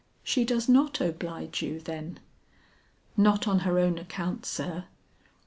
"She does not oblige you, then?" "Not on her own account, sir.